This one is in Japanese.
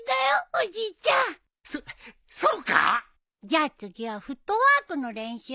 じゃあ次はフットワークの練習。